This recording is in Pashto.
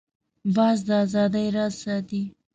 باز د آزادۍ راز ساتي